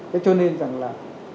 thế cho nên rằng là